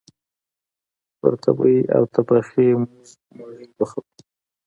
پر تبۍ او تبخي موږ مړۍ پخوو